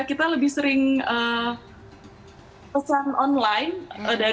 kita lebih sering pesan online